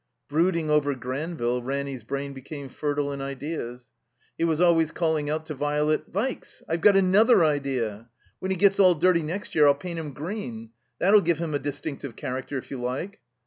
Brooding over Granville, Ranny 's brain became fertile in ideas. He was always calling out to Violet :'* Vikes ! I've got another idea ! When he gets all dirty next year I'll paint him green. That '11 give him a distinctive character, if you like."